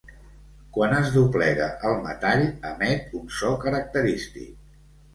Quan es doblega el metall emet un so característic.